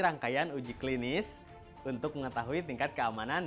rangkaian uji klinis untuk mengetahui tingkat keamanan